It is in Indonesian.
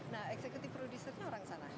nah eksekutif produsernya orang sana